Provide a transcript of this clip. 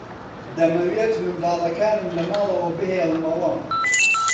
دەمەوێت منداڵەکانم لە ماڵەوە بهێڵمەوە.